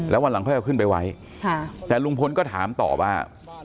แล้ววันหลังค่อยเอาขึ้นไปไว้แต่ลุงพลก็ถามต่อว่า